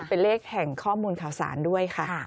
เป็นเลขแห่งข้อมูลข่าวสารด้วยค่ะ